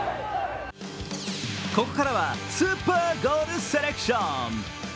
ここからはスーパーゴールセレクション。